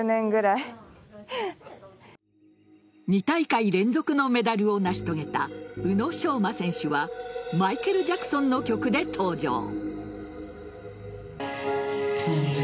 ２大会連続のメダルを成し遂げた宇野昌磨選手はマイケル・ジャクソンの曲で登場。